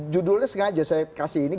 judulnya sengaja saya kasih ini